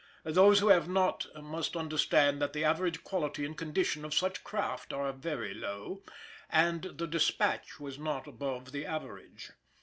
Those who have not must understand that the average quality and condition of such craft are very low, and the Despatch was not above the average.